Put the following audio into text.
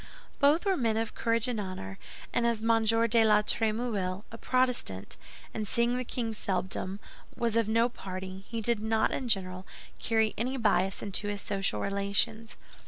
Both were men of courage and honor; and as M. de la Trémouille—a Protestant, and seeing the king seldom—was of no party, he did not, in general, carry any bias into his social relations.